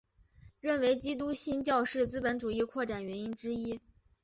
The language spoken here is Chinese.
认为基督新教是资本主义扩展原因之一。